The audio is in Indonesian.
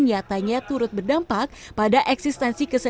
nyatanya turut berdampak pada eksistensi kesehatan